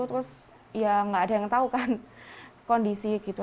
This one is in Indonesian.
terus ya nggak ada yang tahu kan kondisi gitu